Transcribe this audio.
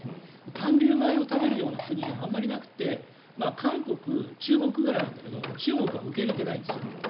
短粒米を食べる国があまりなくて韓国、中国ぐらいなんだけど中国は受け入れてないんです。